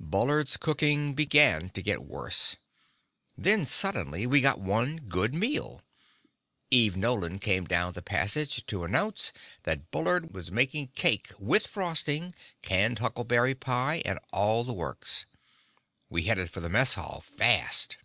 Bullard's cooking began to get worse. Then suddenly, we got one good meal. Eve Nolan came down the passage to announce that Bullard was making cake, with frosting, canned huckleberry pie, and all the works. We headed for the mess hall, fast.